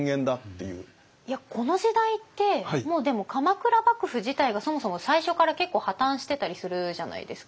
いやこの時代ってもうでも鎌倉幕府自体がそもそも最初から結構破綻してたりするじゃないですかずるずると。